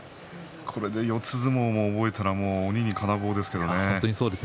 これで四つ相撲も覚えたら鬼に金棒ですけれどもね。